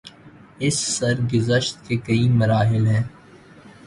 اس سرگزشت کے کئی مراحل ہیں۔